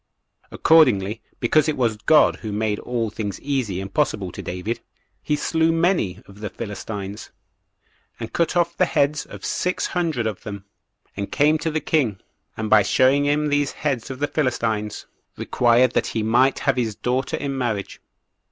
Accordingly, because it was God who made all things easy and possible to David, he slew many [of the Philistines], and cut off the heads of six hundred of them, and came to the king, and by showing him these heads of the Philistines, required that he might have his daughter in marriage.